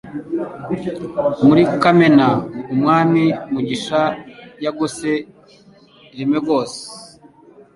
Muri Kamena Umwami Mugisha yagose Limoges